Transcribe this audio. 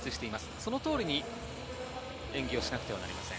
その通りに演技をしなくてはいけません。